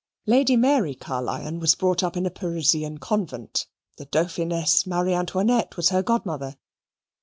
Lady Mary Caerlyon was brought up at a Parisian convent; the Dauphiness Marie Antoinette was her godmother.